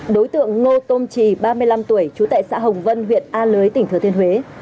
đối tượng ngô công trì ba mươi năm tuổi trú tại xã hồng vân huyện a lưới tỉnh thừa thiên huế